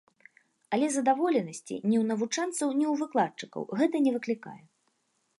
Але задаволенасці ні ў навучэнцаў, ні ў выкладчыкаў гэта не выклікае.